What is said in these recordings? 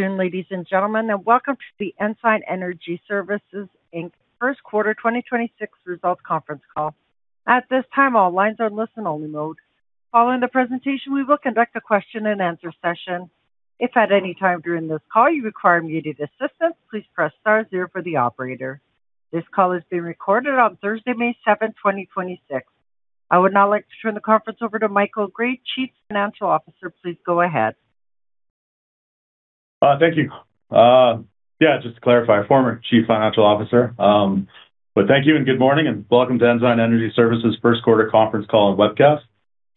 Afternoon, ladies and gentlemen, and welcome to the Ensign Energy Services Inc. first quarter 2026 results conference call. I would now like to turn the conference over to Michael Gray, Chief Financial Officer. Please go ahead. Thank you. Yeah, just to clarify, former Chief Financial Officer. Thank you and good morning and welcome to Ensign Energy Services first quarter conference call and webcast.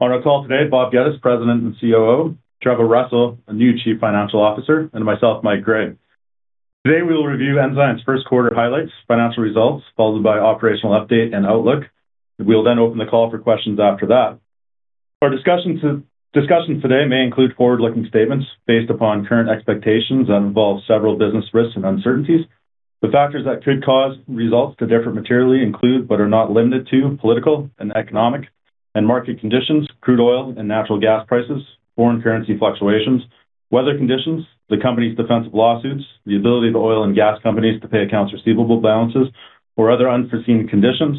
On our call today, Bob Geddes, President and COO, Trevor Russell, a new Chief Financial Officer, and myself, Michael Gray. Today, we will review Ensign's first quarter highlights, financial results, followed by operational update and outlook. We'll open the call for questions after that. Our discussions today may include forward-looking statements based upon current expectations that involve several business risks and uncertainties. The factors that could cause results to differ materially include, but are not limited to, political and economic and market conditions, crude oil and natural gas prices, foreign currency fluctuations, weather conditions, the company's defensive lawsuits, the ability of oil and gas companies to pay accounts receivable balances or other unforeseen conditions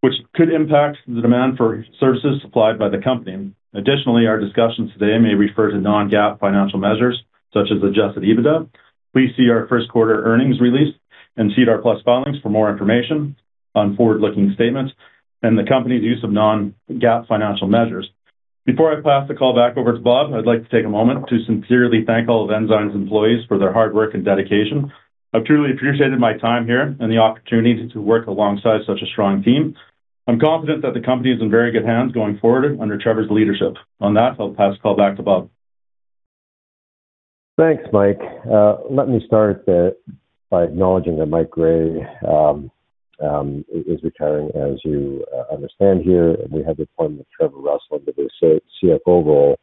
which could impact the demand for services supplied by the company. Additionally, our discussions today may refer to non-GAAP financial measures such as Adjusted EBITDA. Please see our first quarter earnings release and see our plus filings for more information on forward-looking statements and the company's use of non-GAAP financial measures. Before I pass the call back over to Bob, I'd like to take a moment to sincerely thank all of Ensign's employees for their hard work and dedication. I've truly appreciated my time here and the opportunity to work alongside such a strong team. I'm confident that the company is in very good hands going forward under Trevor's leadership. On that, I'll pass the call back to Bob. Thanks, Mike. Let me start by acknowledging that Mike Gray is retiring as you understand here, and we have appointed Trevor Russell to the CFO role.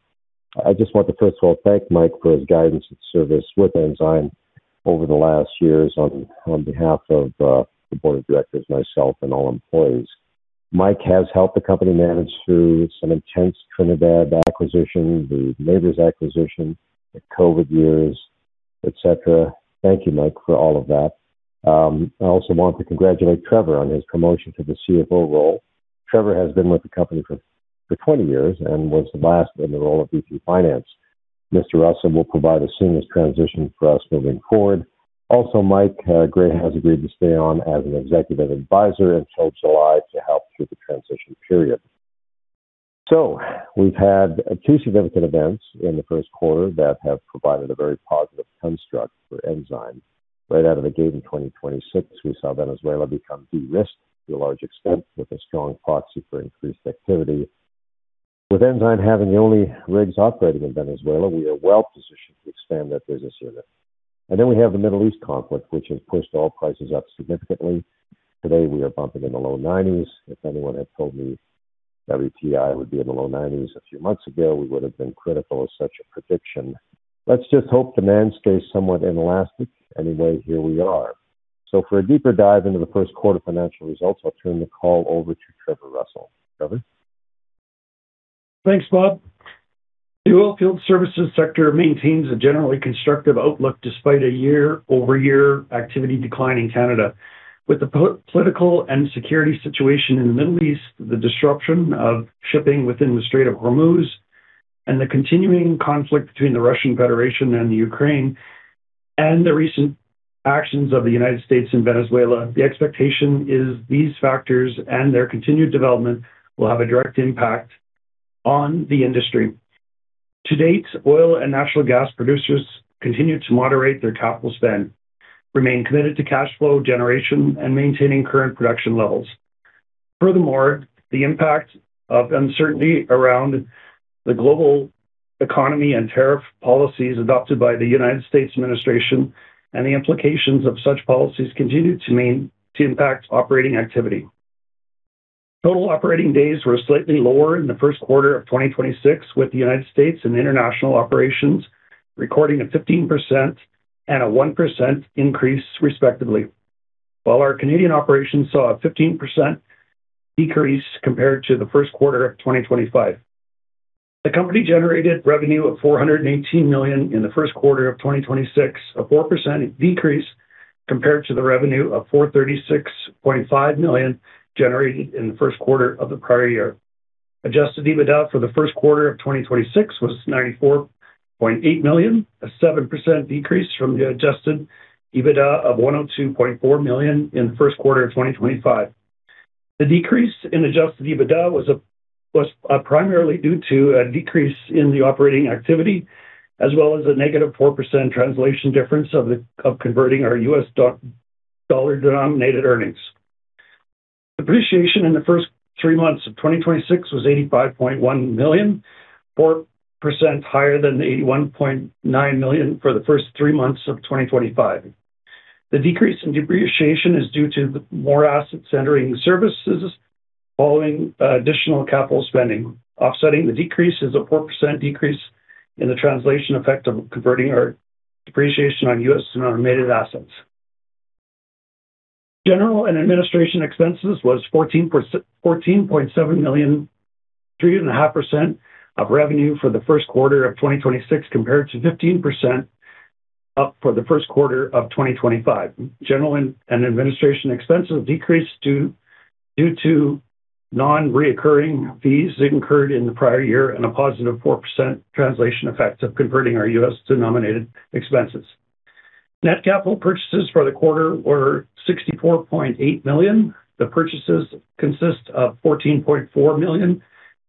I just want to first of all thank Mike for his guidance and service with Ensign over the last years on behalf of the board of directors, myself, and all employees. Mike has helped the company manage through some intense Trinidad acquisitions, the Mavers acquisition, the COVID years, et cetera. Thank you, Mike, for all of that. I also want to congratulate Trevor on his promotion to the CFO role. Trevor has been with the company for 20 years and was the last in the role of VP Finance. Mr. Russell will provide a seamless transition for us moving forward. Mike Gray has agreed to stay on as an Executive Advisor until July to help through the transition period. We've had 2 significant events in the 1st quarter that have provided a very positive construct for Ensign. Right out of the gate in 2026, we saw Venezuela become de-risked to a large extent with a strong proxy for increased activity. With Ensign having the only rigs operating in Venezuela, we are well-positioned to expand that business unit. We have the Middle East conflict, which has pushed oil prices up significantly. Today, we are bumping in the low $90s. If anyone had told me WTI would be in the low $90s a few months ago, we would have been critical of such a prediction. Let's just hope demand stays somewhat inelastic. Here we are. For a deeper dive into the first quarter financial results, I'll turn the call over to Trevor Russell. Trevor? Thanks, Bob. The oilfield services sector maintains a generally constructive outlook despite a year-over-year activity decline in Canada. With the political and security situation in the Middle East, the disruption of shipping within the Strait of Hormuz and the continuing conflict between the Russian Federation and Ukraine, and the recent actions of the U.S. and Venezuela, the expectation is these factors and their continued development will have a direct impact on the industry. To date, oil and natural gas producers continue to moderate their capital spend, remain committed to cash flow generation and maintaining current production levels. Furthermore, the impact of uncertainty around the global economy and tariff policies adopted by the U.S. administration and the implications of such policies continue to impact operating activity. Total operating days were slightly lower in the first quarter of 2026, with the United States and international operations recording a 15% and a 1% increase, respectively. While our Canadian operations saw a 15% decrease compared to the first quarter of 2025. The company generated revenue of 418 million in the first quarter of 2026, a 4% decrease compared to the revenue of 436.5 million generated in the first quarter of the prior year. Adjusted EBITDA for the first quarter of 2026 was 94.8 million, a 7% decrease from the Adjusted EBITDA of 102.4 million in the first quarter of 2025. The decrease in Adjusted EBITDA was primarily due to a decrease in the operating activity, as well as a negative 4% translation difference of converting our US dollar denominated earnings. Depreciation in the first three months of 2026 was 85.1 million, 4% higher than the 81.9 million for the first three months of 2025. The decrease in depreciation is due to the more assets entering services following additional capital spending. Offsetting the decrease is a 4% decrease in the translation effect of converting our depreciation on U.S. denominated assets. General and administration expenses was 14.7 million, 3.5% of revenue for the first quarter of 2026 compared to 15% up for the first quarter of 2025. General and administration expenses decreased due to non-recurring fees incurred in the prior year and a positive 4% translation effect of converting our U.S. denominated expenses. Net capital purchases for the quarter were CAD 64.8 million. The purchases consist of CAD 14.4 million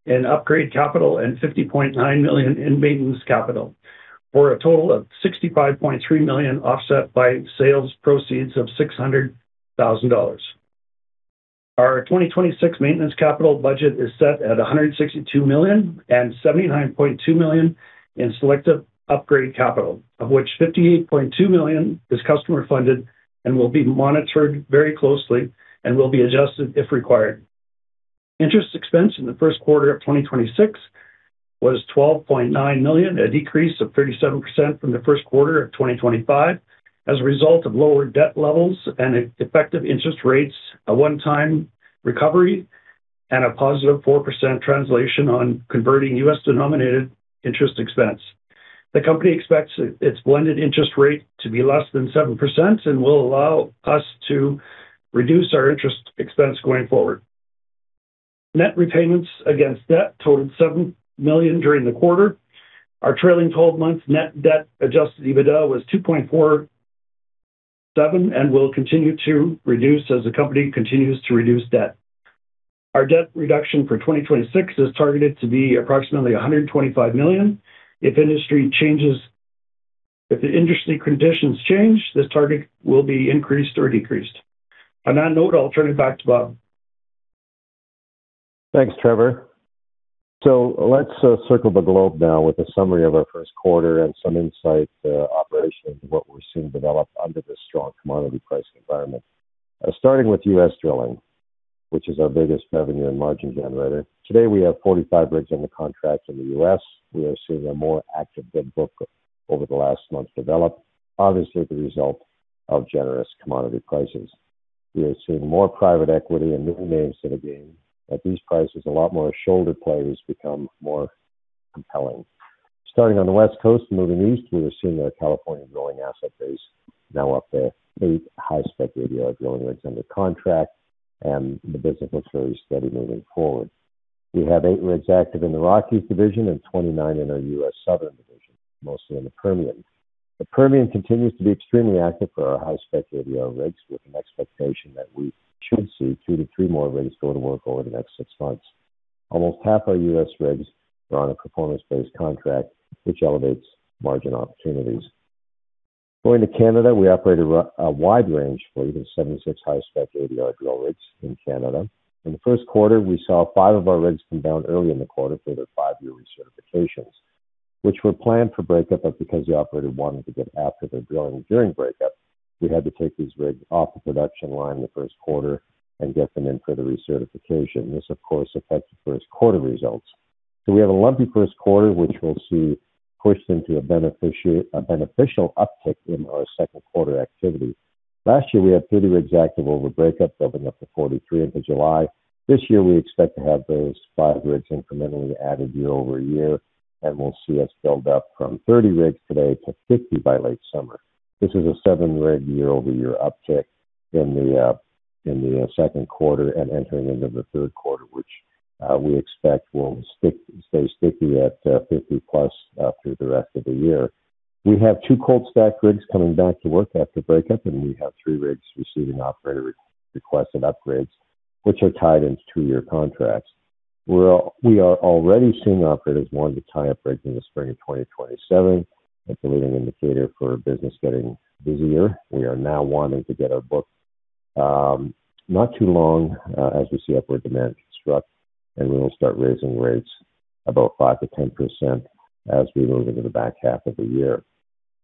in upgrade capital and CAD 50.9 million in maintenance capital for a total of CAD 65.3 million, offset by sales proceeds of CAD 600,000. Our 2026 maintenance capital budget is set at 162 million and 79.2 million in selective upgrade capital, of which 58.2 million is customer funded and will be monitored very closely and will be adjusted if required. Interest expense in the first quarter of 2026 was 12.9 million, a decrease of 37% from the first quarter of 2025 as a result of lower debt levels and effective interest rates, a one-time recovery and a positive 4% translation on converting U.S. denominated interest expense. The company expects its blended interest rate to be less than 7% and will allow us to reduce our interest expense going forward. Net repayments against debt totaled 7 million during the quarter. Our trailing twelve months net debt Adjusted EBITDA was 2.47 and will continue to reduce as the company continues to reduce debt. Our debt reduction for 2026 is targeted to be approximately 125 million. If the industry conditions change, this target will be increased or decreased. On that note, I'll turn it back to Bob. Thanks, Trevor. Let's circle the globe now with a summary of our first quarter and some insight operation into what we're seeing develop under this strong commodity pricing environment. Starting with U.S. drilling, which is our biggest revenue and margin generator. Today, we have 45 rigs under contract in the U.S. We are seeing a more active bid book over the last month develop, obviously the result of generous commodity prices. We are seeing more private equity and new names to the game. At these prices, a lot more smaller players become more compelling. Starting on the West Coast and moving east, we are seeing our California drilling asset base now up to 8 high-spec ADR drilling rigs under contract and the business looks very steady moving forward. We have 8 rigs active in the Rockies division and 29 in our US Southern Division, mostly in the Permian. The Permian continues to be extremely active for our high-spec ADR rigs, with an expectation that we should see 2 to 3 more rigs go to work over the next 6 months. Almost half our U.S. rigs are on a performance-based contract, which elevates margin opportunities. Going to Canada, we operate a wide range, 47 to 6 high-spec ADR drill rigs in Canada. In the first quarter, we saw 5 of our rigs come down early in the quarter for their 5-year recertifications, which were planned for breakup, but because the operator wanted to get after their drilling during breakup, we had to take these rigs off the production line the first quarter and get them in for the recertification. This, of course, affects the first quarter results. We have a lumpy first quarter, which we'll see pushed into a beneficial uptick in our second quarter activity. Last year, we had 30 rigs active over breakup, building up to 43 into July. This year, we expect to have those 5 rigs incrementally added year-over-year, and we'll see us build up from 30 rigs today to 50 by late summer. This is a 7 rig year-over-year uptick in the second quarter and entering into the third quarter, which we expect will stay sticky at 50 plus through the rest of the year. We have 2 cold stacked rigs coming back to work after breakup, and we have 3 rigs receiving operator re-requested upgrades, which are tied into 2-year contracts. We are already seeing operators wanting to tie up rigs in the spring of 2027. That's a leading indicator for business getting busier. We are now wanting to get our book not too long as we see upward demand construct, and we will start raising rates about 5% to 10% as we move into the back half of the year.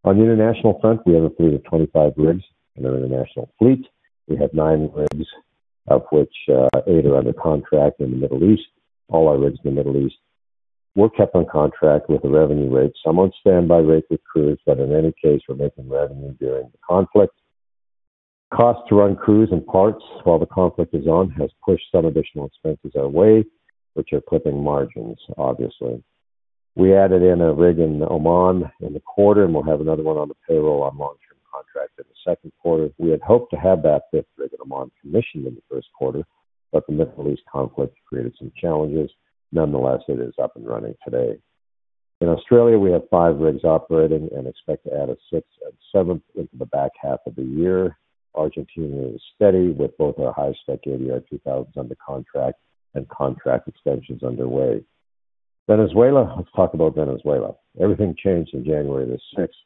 On the international front, we have a fleet of 25 rigs in our international fleet. We have 9 rigs, of which, 8 are under contract in the Middle East. All our rigs in the Middle East were kept on contract with the revenue rigs, some on standby rigs with crews, but in any case, we're making revenue during the conflict. Cost to run crews and parts while the conflict is on has pushed some additional expenses our way, which are clipping margins, obviously. We added in a rig in Oman in the quarter, and we'll have another 1 on the payroll on long-term contract in the 2nd quarter. We had hoped to have that 5th rig in Oman commissioned in the 1st quarter, but the Middle East conflict created some challenges. Nonetheless, it is up and running today. In Australia, we have 5 rigs operating and expect to add a 6th and 7th into the back half of the year. Argentina is steady with both our high-spec ADR 2000s under contract and contract extensions underway. Venezuela. Let's talk about Venezuela. Everything changed in January the sixth.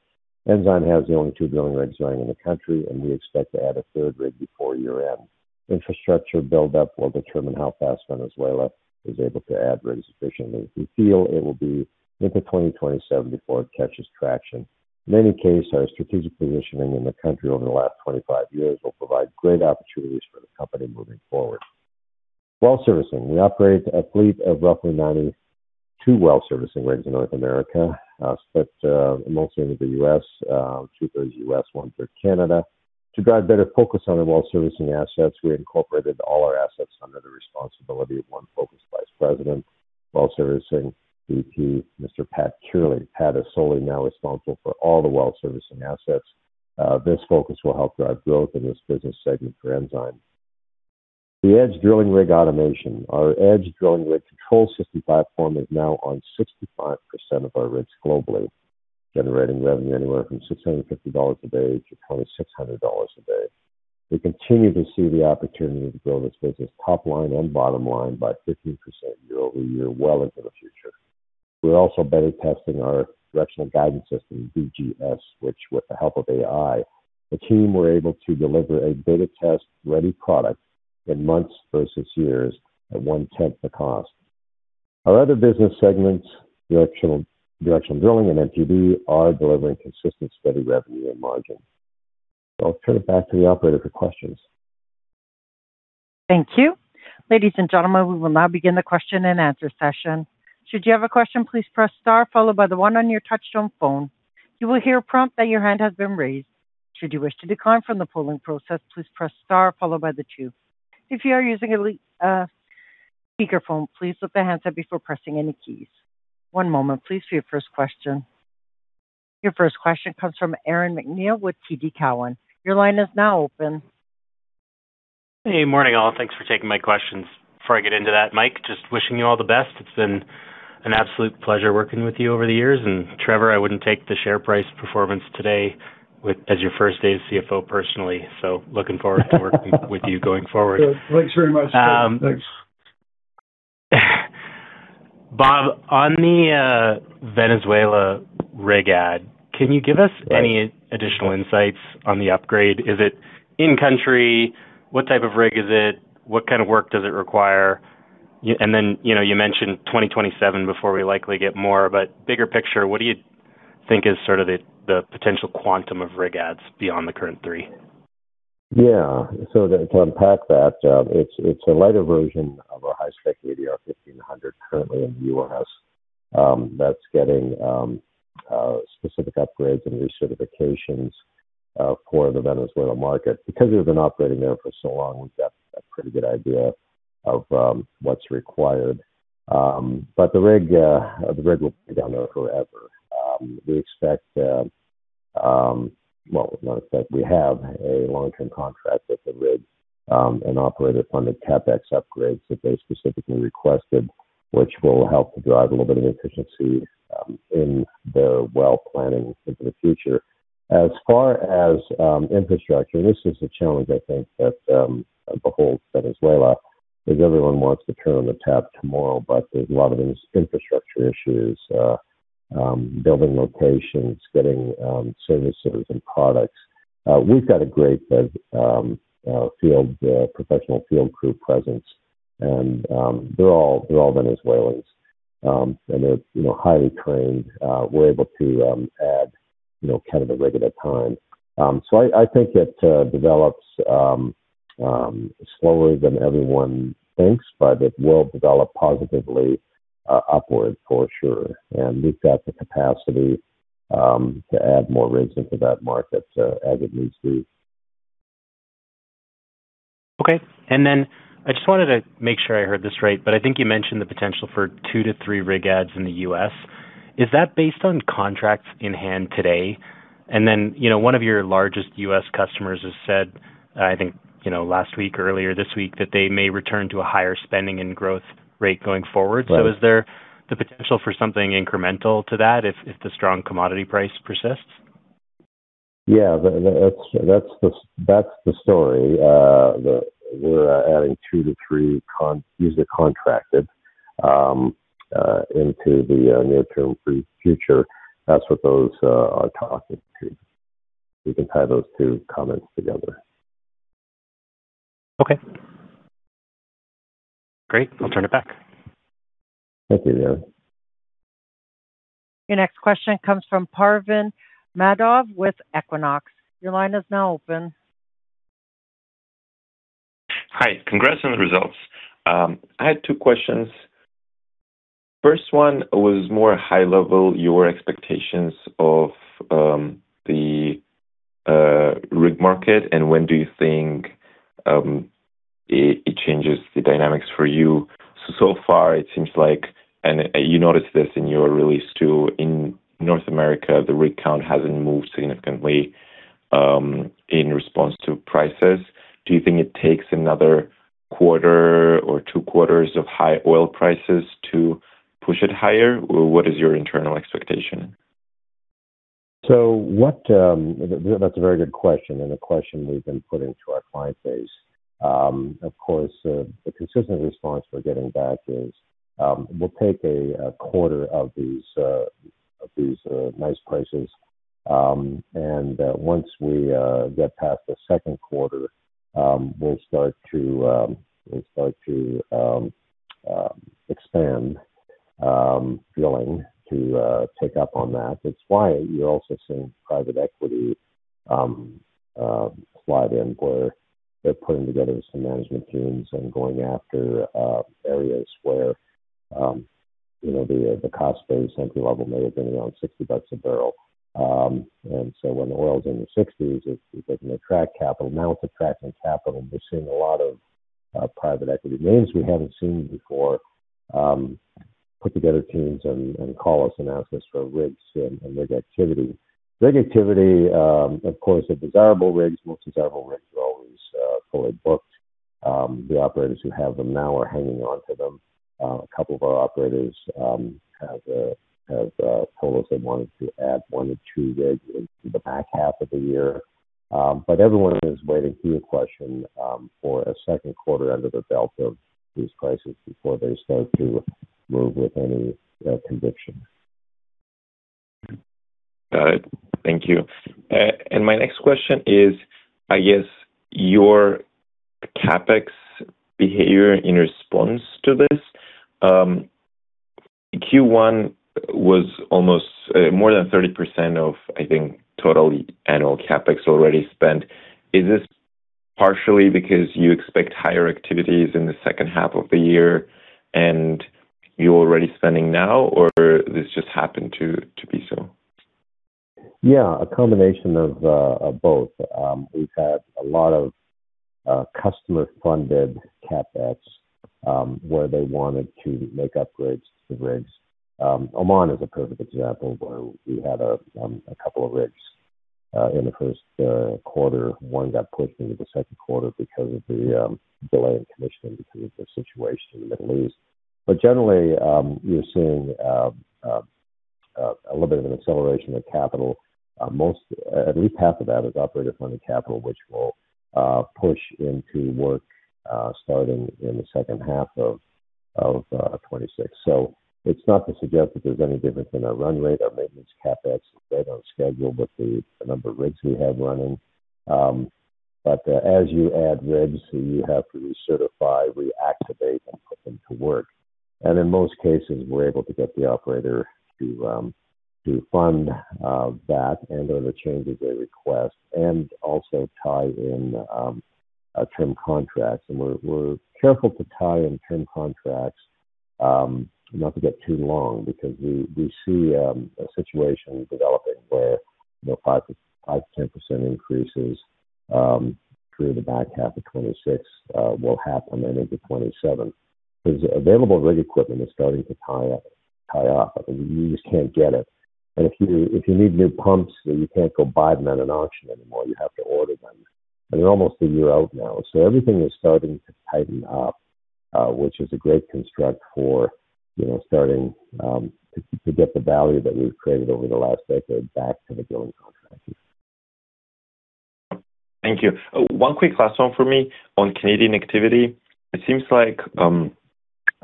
Ensign has the only 2 drilling rigs running in the country, and we expect to add a 3rd rig before year-end. Infrastructure build-up will determine how fast Venezuela is able to add rigs efficiently. We feel it will be into 2027 before it catches traction. In any case, our strategic positioning in the country over the last 25 years will provide great opportunities for the company moving forward. Well servicing. We operate a fleet of roughly 92 well servicing rigs in North America, split mostly into the U.S., 2/3 U.S., 1/3 Canada. To drive better focus on the well servicing assets, we incorporated all our assets under the responsibility of one focused Vice President, Well Servicing VP, Mr. Pat Kearley. Pat is solely now responsible for all the well servicing assets. This focus will help drive growth in this business segment for Ensign. The Edge Drilling Rig automation. Our Edge Drilling Rig control system platform is now on 65% of our rigs globally, generating revenue anywhere from 650 dollars a day to 2,600 dollars a day. We continue to see the opportunity to grow this business top line and bottom line by 15% year-over-year well into the future. We're also beta testing our Directional Guidance System, DGS, which with the help of AI, the team were able to deliver a beta test ready product in months versus years at one-tenth the cost. Our other business segments, directional drilling and NGD are delivering consistent steady revenue and margin. I'll turn it back to the operator for questions. Thank you. Ladies and gentlemen, we will now begin the question and answer session. Should you have a question, please press star followed by the one on your touchtone phone. You will hear a prompt that your hand has been raised. Should you wish to decline from the polling process, please press star followed by the two. If you are using a speakerphone, please lift the handset before pressing any keys. One moment please for your first question. Your first question comes from Aaron MacNeil with TD Cowen. Your line is now open. Hey, morning all. Thanks for taking my questions. Before I get into that, Mike, just wishing you all the best. It's been an absolute pleasure working with you over the years. Trevor, I wouldn't take the share price performance today with as your first day as CFO personally, so looking forward to working with you going forward. Good. Thanks very much. Thanks. Bob, on the Venezuela rig add, can you give us? Right additional insights on the upgrade? Is it in country? What type of rig is it? What kind of work does it require? Then, you know, you mentioned 2027 before we likely get more, but bigger picture, what do you think is sort of the potential quantum of rig adds beyond the current 3? Yeah. To unpack that, it's a lighter version of our high-spec ADR 1500 currently in the U.S. that's getting specific upgrades and recertifications for the Venezuela market. Because we've been operating there for so long, we've got a pretty good idea of what's required. The rig will be down there forever. We expect, well, not expect, we have a long-term contract with the rig, an operator-funded CapEx upgrades that they specifically requested, which will help to drive a little bit of efficiency in their well planning into the future. As far as infrastructure, this is a challenge I think that behold Venezuela, is everyone wants to turn on the tap tomorrow, but there's a lot of infrastructure issues, building locations, getting services and products. We've got a great field professional field crew presence and they're all Venezuelans. They're, you know, highly trained. We're able to add, you know, kind of a rig at a time. So I think it develops slower than everyone thinks, but it will develop positively, upward for sure. We've got the capacity to add more rigs into that market as it needs to. Okay. I just wanted to make sure I heard this right, but I think you mentioned the potential for 2-3 rig adds in the U.S. Is that based on contracts in hand today? You know, one of your largest U.S. customers has said, I think, you know, last week, earlier this week, that they may return to a higher spending and growth rate going forward. Right. Is there the potential for something incremental to that if the strong commodity price persists? Yeah. That's the story. We're adding two to three. These are contracted into the near-term future. That's what those are talking to. You can tie those two comments together. Okay. Great. I will turn it back. Thank you. Your next question comes from Parvin Madhav with Equinox. Your line is now open. Hi. Congrats on the results. I had two questions. First one was more high level, your expectations of the rig market and when do you think it changes the dynamics for you? So far it seems like, and you noticed this in your release too, in North America, the rig count hasn't moved significantly in response to prices. Do you think it takes another quarter or two quarters of high oil prices to push it higher? Or what is your internal expectation? That's a very good question and a question we've been putting to our client base. Of course, the consistent response we're getting back is, we'll take a quarter of these nice prices. Once we get past the second quarter, we'll start to expand, willing to take up on that. It's why you're also seeing private equity slide in where they're putting together some management teams and going after areas where, you know, the cost base entry level may have been around 60 bucks a barrel. When oil is in the 60s, it doesn't attract capital. It's attracting capital, and we're seeing a lot of private equity names we haven't seen before, put together teams and call us and ask us for rigs and rig activity. Rig activity, of course, the most desirable rigs are always fully booked. The operators who have them now are hanging on to them. A couple of our operators have told us they wanted to add 1 to 2 rigs into the back half of the year. Everyone is waiting to question for a second quarter under the belt of this crisis before they start to move with any conviction. Got it. Thank you. My next question is, I guess your CapEx behavior in response to this. Q1 was almost more than 30% of, I think, total annual CapEx already spent. Is this partially because you expect higher activities in the second half of the year and you're already spending now, or this just happened to be so? A combination of both. We've had a lot of customer-funded CapEx, where they wanted to make upgrades to the rigs. Oman is a perfect example where we had 2 rigs in the first quarter. One got pushed into the second quarter because of the delay in commissioning because of the situation in the Middle East. Generally, you're seeing a little bit of an acceleration of capital. At least half of that is operator-funded capital, which will push into work starting in the second half of 2026. It's not to suggest that there's any difference in our run rate. Our maintenance CapEx is right on schedule with the number of rigs we have running. As you add rigs, you have to recertify, reactivate, and put them to work. In most cases, we're able to get the operator to fund that and any changes they request and also tie in term contracts. We're careful to tie in term contracts, not to get too long because we see a situation developing where, you know, 5%-10% increases through the back half of 2026 will happen and into 2027. Because available rig equipment is starting to tie up. I mean, you just can't get it. If you need new pumps, you can't go buy them at an auction anymore. You have to order them. They're almost 1 year out now. Everything is starting to tighten up, which is a great construct for, you know, starting to get the value that we've created over the last decade back to the drilling contractors. Thank you. One quick last one for me on Canadian activity. It seems like,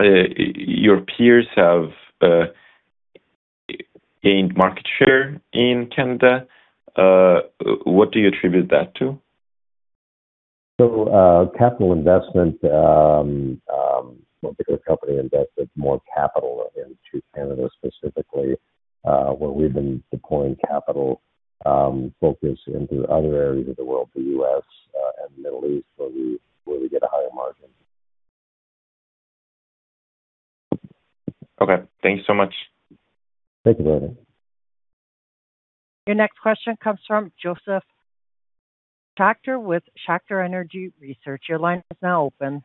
your peers have gained market share in Canada. What do you attribute that to? Capital investment, well, bigger company invested more capital into Canada specifically, where we've been deploying capital, focused into other areas of the world, the U.S. and Middle East where we get a higher margin. Okay. Thank you so much. Thank you, Adrian. Your next question comes from Josef Schachter with Schachter Energy Research. Your line is now open.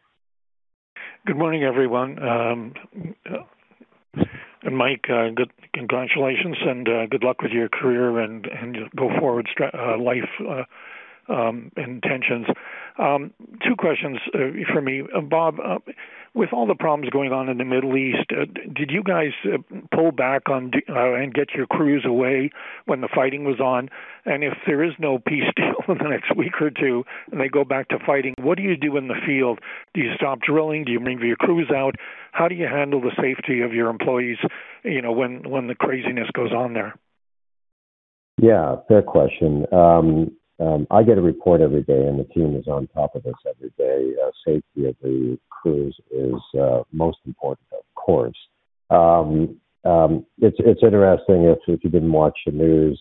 Good morning, everyone. Mike, good congratulations and good luck with your career and go forward life intentions. 2 questions for me. Bob, with all the problems going on in the Middle East, did you guys pull back on and get your crews away when the fighting was on? If there is no peace deal in the next week or 2, and they go back to fighting, what do you do in the field? Do you stop drilling? Do you move your crews out? How do you handle the safety of your employees, you know, when the craziness goes on there? Yeah. Fair question. I get a report every day, the team is on top of this every day. Safety of the crews is most important, of course. It's interesting. If you've been watching the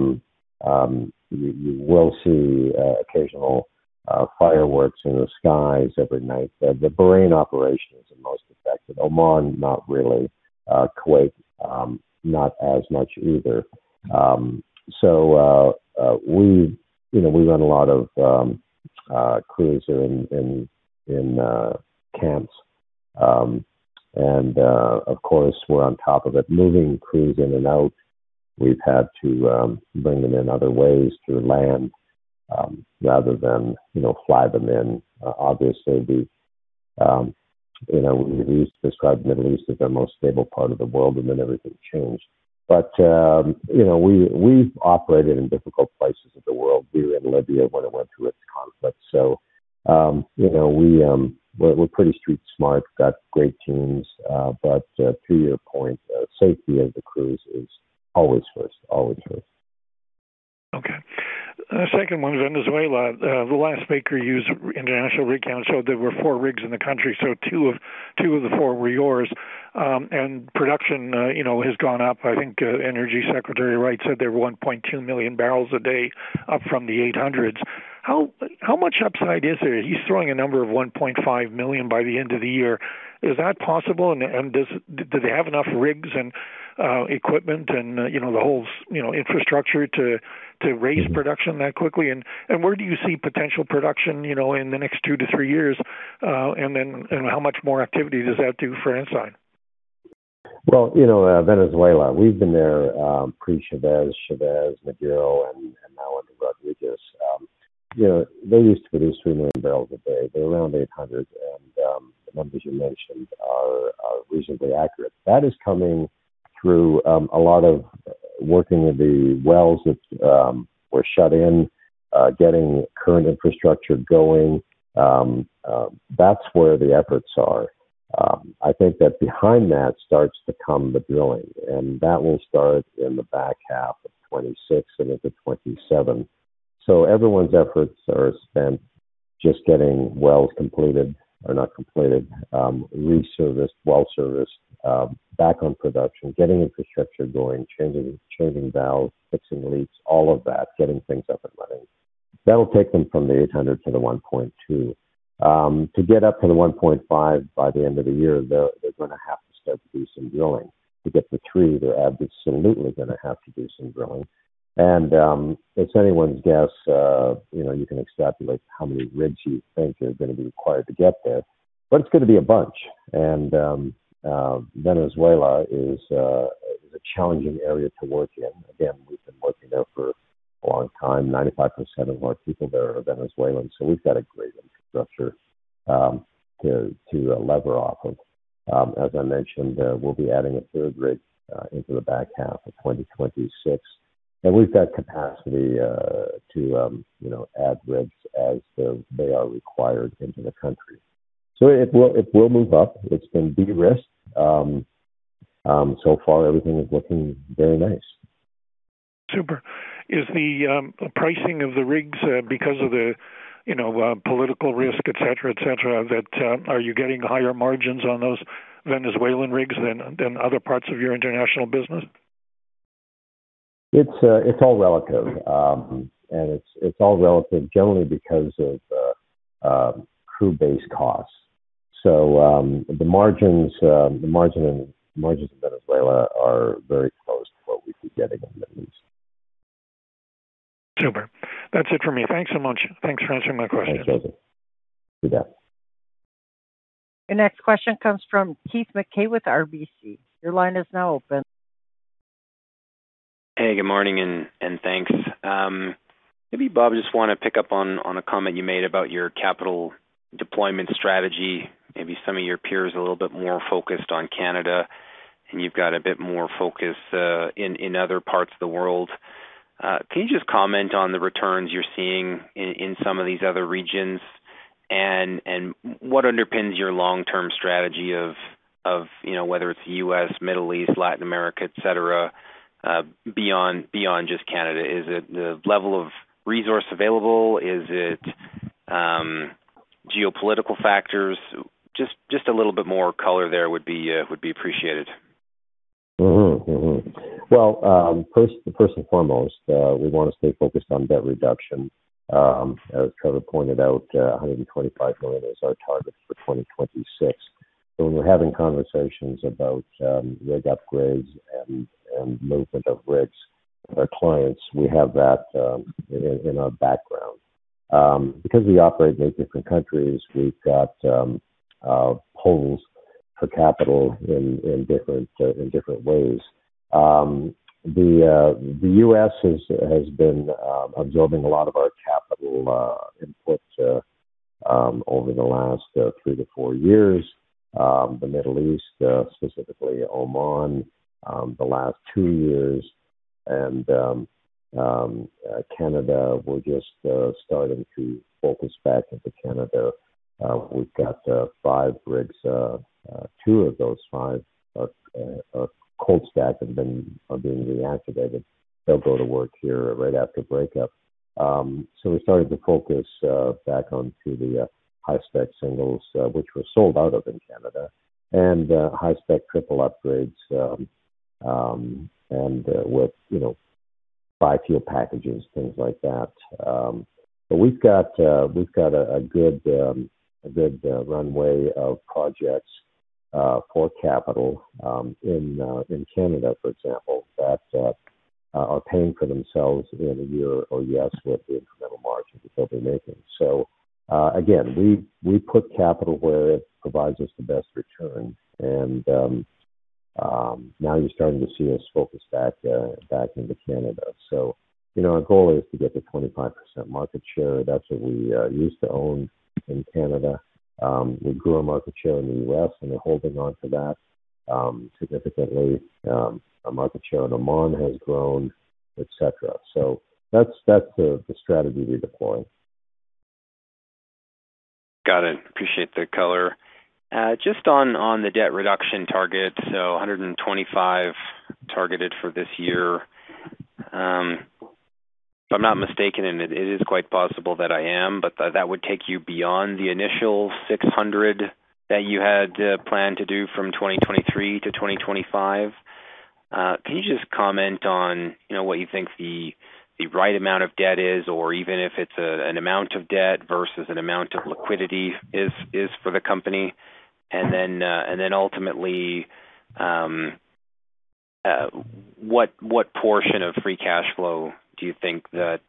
news, you will see occasional fireworks in the skies every night. The Bahrain operation is the most affected. Oman, not really. Kuwait, not as much either. We, you know, we run a lot of crews are in, in camps. Of course, we're on top of it. Moving crews in and out, we've had to bring them in other ways through land, rather than, you know, fly them in. Obviously, the, you know, we used to describe the Middle East as the most stable part of the world, and then everything changed. You know, we've operated in difficult places of the world. We were in Libya when it went through its conflict. You know, we're pretty street smart, got great teams. To your point, safety of the crews is always first, always first. The second one is Venezuela. The last Baker Hughes international rig count showed there were 4 rigs in the country, so 2 of the 4 were yours. Production, you know, has gone up. I think Energy Secretary Wright said they were 1.2 million barrels a day up from the 800s. How much upside is there? He's throwing a number of 1.5 million by the end of the year. Is that possible? Do they have enough rigs and equipment and, you know, the whole, you know, infrastructure to raise production that quickly? Where do you see potential production, you know, in the next 2 to 3 years? How much more activity does that do for Ensign? You know, Venezuela, we've been there, pre Chávez, Maduro, and now under Rodríguez. You know, they used to produce 3 million barrels a day. They're around 800, and the numbers you mentioned are reasonably accurate. That is coming through a lot of working with the wells that were shut in, getting current infrastructure going. That's where the efforts are. I think that behind that starts to come the drilling, and that will start in the back half of 2026 and into 2027. Everyone's efforts are spent just getting wells completed or not completed, re serviced, well serviced, back on production, getting infrastructure going, changing valves, fixing leaks, all of that, getting things up and running. That'll take them from the 800 to the 1.2. To get up to the 1.5 by the end of the year, they're gonna have to start to do some drilling. To get to 3, they're absolutely gonna have to do some drilling. It's anyone's guess, you know, you can extrapolate how many rigs you think are gonna be required to get there, but it's gonna be a bunch. Venezuela is a challenging area to work in. Again, we've been working there for a long time. 95% of our people there are Venezuelans, so we've got a great infrastructure to lever off of. As I mentioned, we'll be adding a 3rd rig into the back half of 2026. We've got capacity to, you know, add rigs as they are required into the country. It will move up. It's been de-risked. So far everything is looking very nice. Super. Is the pricing of the rigs, because of the, you know, political risk, et cetera, et cetera, that, are you getting higher margins on those Venezuelan rigs than other parts of your international business? It's all relative. It's all relative generally because of crew-based costs. The margins in Venezuela are very close to what we'd be getting in the Middle East. Super. That's it for me. Thanks so much. Thanks for answering my questions. Thanks, Trevor. You bet. Your next question comes from Keith MacKey with RBC. Your line is now open. Hey, good morning, and thanks. Maybe, Bob Geddes, just wanna pick up on a comment you made about your capital deployment strategy. Maybe some of your peers are a little bit more focused on Canada, and you've got a bit more focus in other parts of the world. Can you just comment on the returns you're seeing in some of these other regions and what underpins your long-term strategy of, you know, whether it's U.S., Middle East, Latin America, et cetera, beyond just Canada? Is it the level of resource available? Is it geopolitical factors? Just a little bit more color there would be appreciated. First and foremost, we want to stay focused on debt reduction. As Trevor pointed out, 125 million is our target for 2026. When we're having conversations about rig upgrades and movement of rigs with our clients, we have that in our background. Because we operate in 8 different countries, we've got holes for capital in different ways. The U.S. has been absorbing a lot of our capital input over the last 3 to 4 years. The Middle East, specifically Oman, the last 2 years. Canada, we are just starting to focus back into Canada. We have 5 rigs. 2 of those 5 are cold stacked and then are being reactivated. They'll go to work here right after breakup. We're starting to focus back onto the high-spec singles, which were sold out of in Canada and high-spec triple upgrades, and with, you know, 5-tier packages, things like that. We've got a good runway of projects for capital in Canada, for example, that are paying for themselves in a year or less with the incremental margins that they'll be making. Again, we put capital where it provides us the best return and now you're starting to see us focus back into Canada. You know, our goal is to get to 25% market share. That's what we used to own in Canada. We grew our market share in the U.S., and we're holding on to that significantly. Our market share in Oman has grown, et cetera. That's, that's the strategy we're deploying. Got it. Appreciate the color. Just on the debt reduction target. 125 targeted for this year. If I'm not mistaken, and it is quite possible that I am, but that would take you beyond the initial 600 that you had planned to do from 2023 to 2025. Can you just comment on, you know, what you think the right amount of debt is, or even if it's an amount of debt versus an amount of liquidity is for the company? And then ultimately, what portion of free cash flow do you think that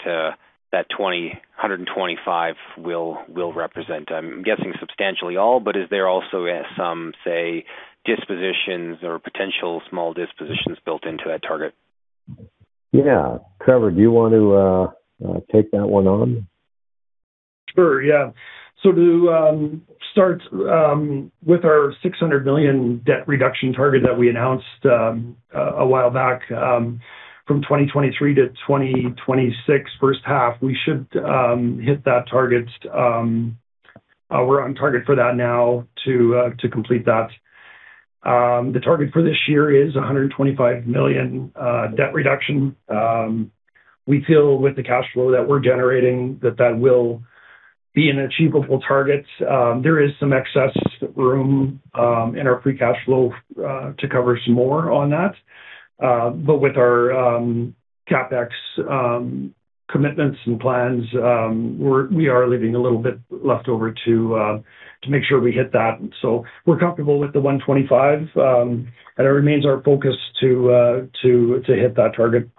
125 will represent? I'm guessing substantially all, but is there also some, say, dispositions or potential small dispositions built into that target? Yeah. Trevor, do you want to take that one on? Sure, yeah. To start with our 600 million debt reduction target that we announced a while back, from 2023 to 2026 first half, we should hit that target. We're on target for that now to complete that. The target for this year is 125 million debt reduction. We feel with the cash flow that we're generating that that will be an achievable target. There is some excess room in our free cash flow to cover some more on that. With our CapEx commitments and plans, we are leaving a little bit left over to make sure we hit that. We're comfortable with the 125, and it remains our focus to hit that target.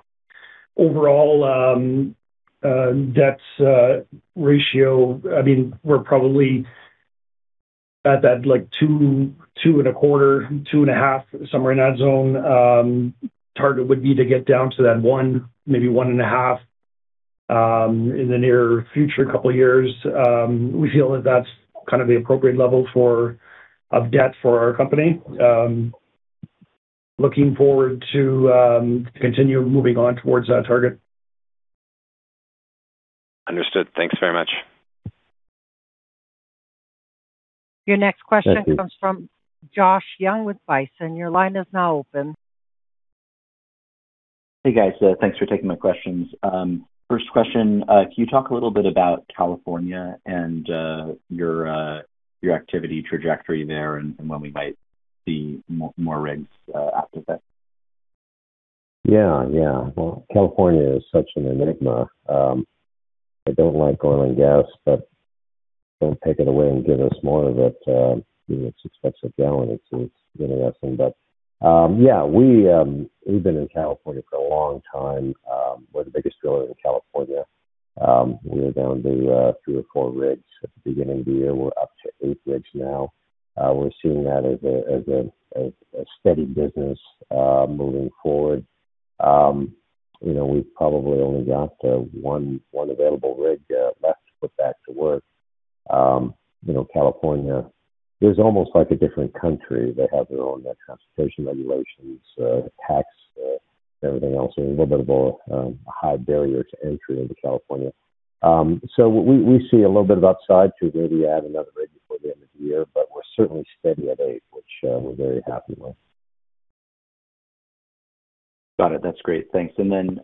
Overall, debts ratio, I mean, we're probably at that, like, 2 and a quarter, 2 and a half, somewhere in that zone. Target would be to get down to that 1, maybe 1 and a half, in the near future, couple years. We feel that that's kind of the appropriate level for, of debt for our company. Looking forward to continue moving on towards that target. Understood. Thanks very much. Your next question comes from Josh Young with Bison. Your line is now open. Hey, guys. Thanks for taking my questions. First question, can you talk a little bit about California and your activity trajectory there, and when we might see more rigs active there? Yeah, yeah. Well, California is such an enigma. They don't like oil and gas, but don't take it away and give us more of it. You know, it's expensive gallon, it's interesting. Yeah, we've been in California for a long time. We're the biggest driller in California. We were down to 3 or 4 rigs at the beginning of the year. We're up to 8 rigs now. We're seeing that as a steady business moving forward. You know, we've probably only got 1 available rig left to put back to work. You know, California is almost like a different country. They have their own transportation regulations, tax, everything else. A little bit of a high barrier to entry into California. We see a little bit of upside to maybe add another rig before the end of the year, but we're certainly steady at eight, which, we're very happy with. Got it. That's great. Thanks. Then,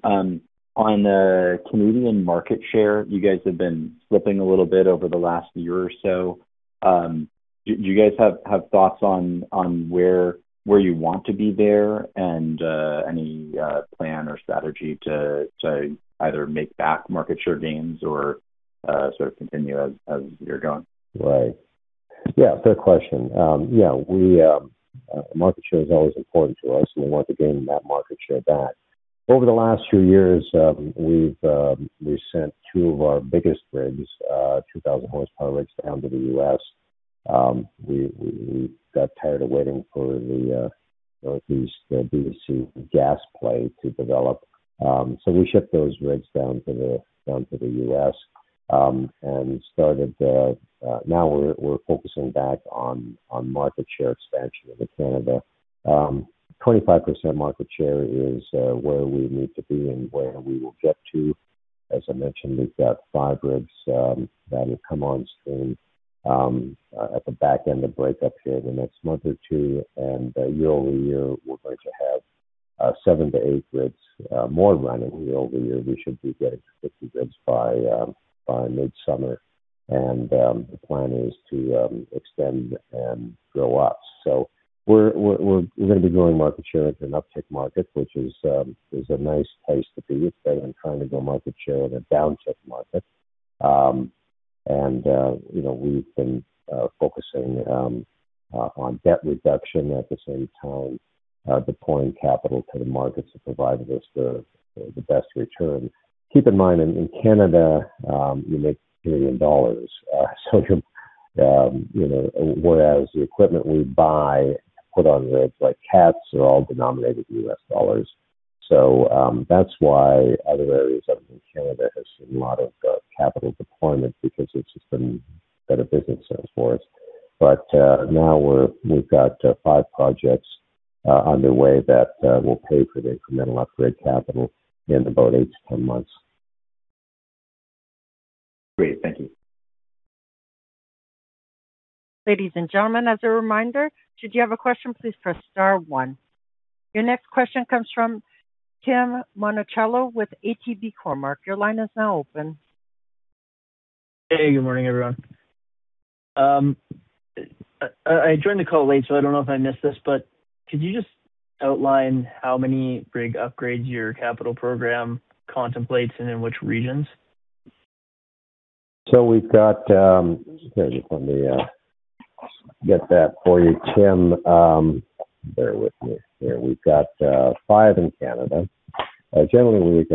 on the Canadian market share, you guys have been slipping a little bit over the last year or so. Do you guys have thoughts on where you want to be there and, any, plan or strategy to either make back market share gains or, sort of continue as you're going? Right. Yeah, fair question. Market share is always important to us, and we want to gain that market share back. Over the last few years, we've sent 2 of our biggest rigs, 2,000 horsepower rigs, down to the U.S. We got tired of waiting for the Northeast, the BC gas play to develop. We shipped those rigs down to the U.S. Now we're focusing back on market share expansion into Canada. 25% market share is where we need to be and where we will get to. As I mentioned, we've got 5 rigs that'll come on soon at the back end of break-up period in the next month or 2. Year-over-year, we're going to have 7 to 8 rigs more running year-over-year. We should be getting 50 rigs by midsummer. The plan is to extend and grow up. We're gonna be growing market share at an uptick market, which is a nice place to be. It's better than trying to grow market share in a downtick market. You know, we've been focusing on debt reduction at the same time, deploying capital to the markets that provided us the best return. Keep in mind, in Canada, you make Canadian dollars. You know, whereas the equipment we buy to put on rigs like cats are all denominated US dollars. That's why other areas other than Canada has seen a lot of capital deployment because it's just been better business sense for us. Now we've got 5 projects underway that will pay for the incremental upgrade capital in about 8 to 10 months. Great. Thank you. Ladies and gentlemen, as a reminder, should you have a question, please press star 1. Your next question comes from Tim Monachello with ATB Cormark. Your line is now open. Hey, good morning, everyone. I joined the call late, so I don't know if I missed this. Could you just outline how many rig upgrades your capital program contemplates and in which regions? We've got. Here, let me get that for you, Tim. Bear with me here. We've got 5 in Canada. We've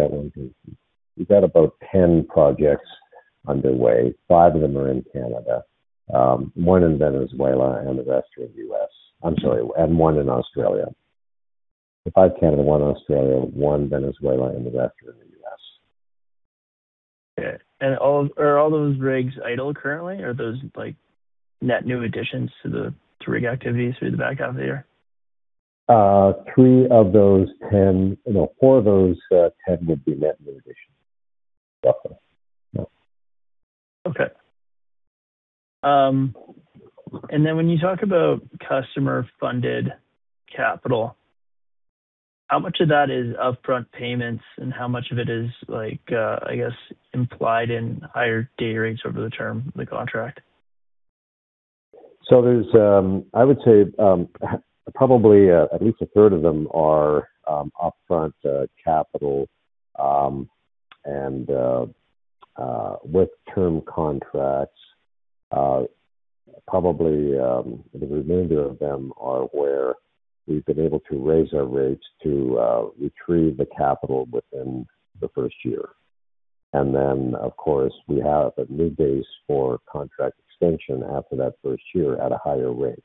got about 10 projects underway. 5 of them are in Canada, 1 in Venezuela, and the rest are in the U.S. I'm sorry, 1 in Australia. 5 Canada, 1 Australia, 1 Venezuela, and the rest are in the U.S. Okay. Are all those rigs idle currently? Are those, like, net new additions to rig activity through the back half of the year? Three of those 10 You know, four of those 10 would be net new additions. Definitely. Yeah. Okay. Then when you talk about customer-funded capital, how much of that is upfront payments and how much of it is like, I guess implied in higher dayrates over the term of the contract? There's I would say probably at least a third of them are upfront capital. With term contracts, the remainder of them are where we've been able to raise our rates to retrieve the capital within the first year. Of course, we have a lead base for contract extension after that first year at a higher rate.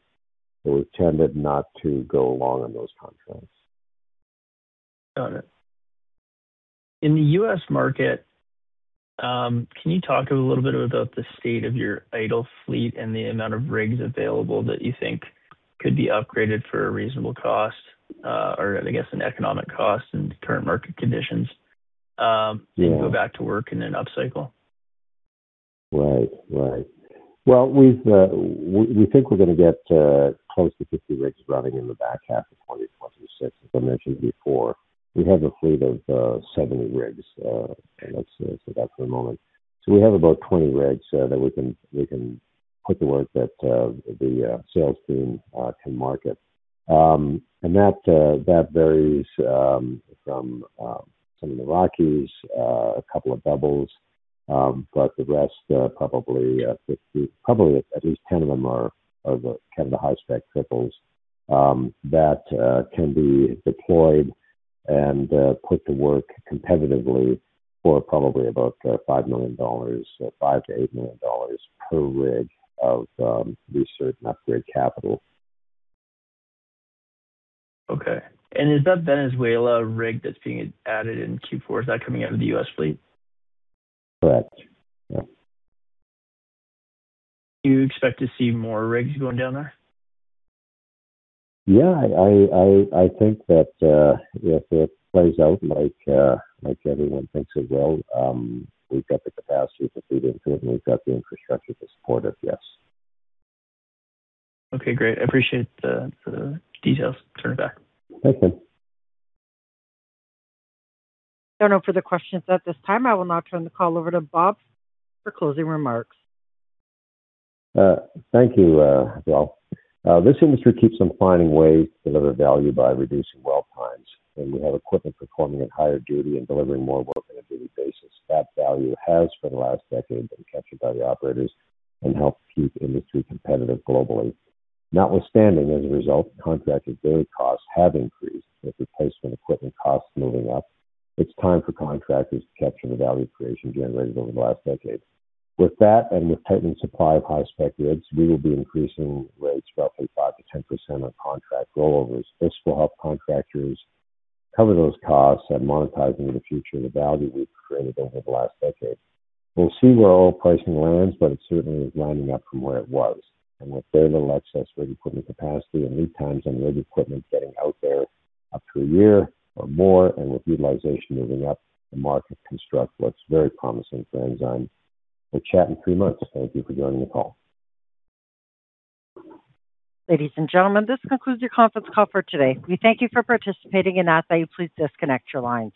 We've tended not to go long on those contracts. Got it. In the U.S. market, can you talk a little bit about the state of your idle fleet and the amount of rigs available that you think could be upgraded for a reasonable cost, or I guess an economic cost in current market conditions. Yeah to go back to work in an upcycle? Right. Right. Well, we've, we think we're gonna get close to 50 rigs running in the back half of 2026. As I mentioned before, we have a fleet of 70 rigs, let's set that for a moment. We have about 20 rigs that we can, we can put to work that the sales team can market. That that varies from some in the Rockies, a couple of doubles. But the rest are probably at least 10 of them are the kind of the high-spec triples that can be deployed and put to work competitively for probably about 5 million dollars, 5 million-8 million dollars per rig of research and upgrade capital. Okay. Is that Venezuela rig that's being added in Q4, is that coming out of the U.S. fleet? Correct. Yeah. Do you expect to see more rigs going down there? Yeah. I think that if it plays out like everyone thinks it will, we've got the capacity to feed into it, and we've got the infrastructure to support it. Yes. Okay, great. I appreciate the details. Turning back. Thank you. There are no further questions at this time. I will now turn the call over to Bob for closing remarks. Thank you, well. This industry keeps on finding ways to deliver value by reducing well times. We have equipment performing at higher duty and delivering more work on a daily basis. That value has, for the last decade, been captured by the operators and helped keep industry competitive globally. Notwithstanding, as a result, contracted daily costs have increased with replacement equipment costs moving up. It's time for contractors to capture the value creation generated over the last decade. With that, with tightened supply of high-spec rigs, we will be increasing rates roughly 5% to 10% on contract rollovers. This will help contractors cover those costs and monetize into the future the value we've created over the last decade. We'll see where oil pricing lands, but it's certainly landing up from where it was. With very little excess rig equipment capacity and lead times on rig equipment getting out there up to 1 year or more, and with utilization moving up, the market can instruct what's very promising for Ensign. We'll chat in 3 months. Thank you for joining the call. Ladies and gentlemen, this concludes your conference call for today. We thank you for participating and ask that you please disconnect your lines.